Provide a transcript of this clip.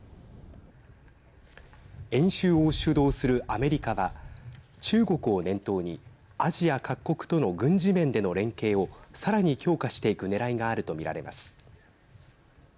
演習を主導するアメリカは中国を念頭にアジア各国との軍事面での連携をさらに強化していくねらいがあると見られます。